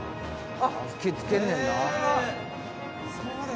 吹きつけんねんな。